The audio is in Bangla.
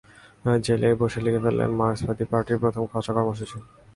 জেলে বসেই লিখে ফেলেন মার্কসবাদী পার্টির প্রথম খসড়া কর্মসূচী।